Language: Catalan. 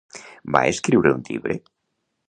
Va escriure un llibre?